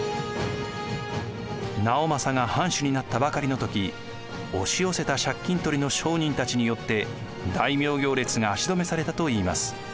直正が藩主になったばかりの時押し寄せた借金取りの商人たちによって大名行列が足止めされたといいます。